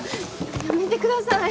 やめてください。